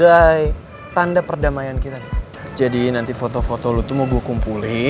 sebagai tanda perdamaian kita jadi nanti foto foto lu tuh mau gue kumpulin